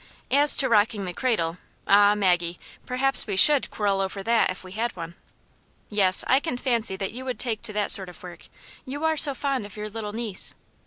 As to rocking the cradle, ah, Maggie, perhaps we should quarrel over that if we had one." " Yes, I can fancy that you would take to that sort of work, you are so fond of your little niece.